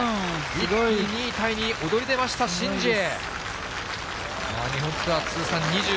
一気に２位タイに躍り出ました、申ジエ。